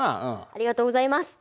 ありがとうございます。